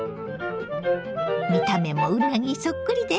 見た目もうなぎそっくりでしょ。